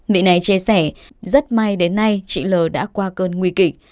vị này chia sẻ rất may đến nay chị l đã qua cơn nguy kịch